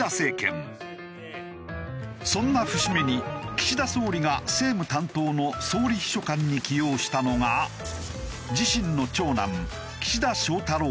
そんな節目に岸田総理が政務担当の総理秘書官に起用したのが自身の長男岸田翔太郎氏だ。